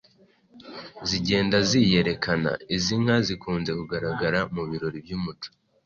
zigenda ziyerekana. izi nka zikunze kugaragara mu birori by'umuco